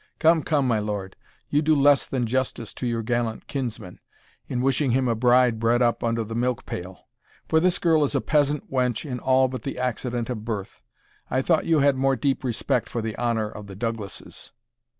Come, come, my lord, you do less than justice to your gallant kinsman, in wishing him a bride bred up under the milk pail; for this girl is a peasant wench in all but the accident of birth. I thought you had more deep respect for the honour of the Douglasses."